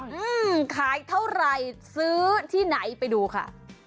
อืมขายเท่าไหร่ซื้อที่ไหนไปดูค่ะ